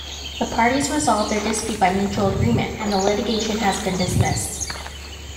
The parties resolved their dispute by mutual agreement and the litigation has been dismissed.